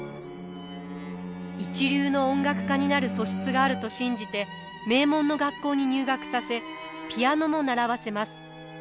一流の音楽家になる素質があると信じて名門の学校に入学させピアノも習わせます。